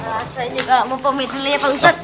saya juga mau pamit dulu ya pak ustadz